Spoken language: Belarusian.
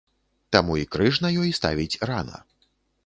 Таму і крыж на ёй ставіць рана.